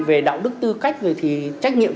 về đạo đức tư cách thì trách nhiệm